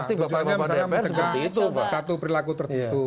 tujuannya menjaga satu perilaku tertentu